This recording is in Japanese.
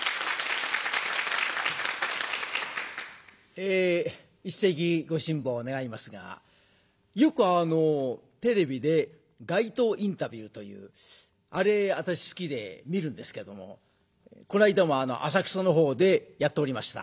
え一席ご辛抱願いますがよくあのテレビで街頭インタビューというあれ私好きで見るんですけどもこないだも浅草のほうでやっておりました。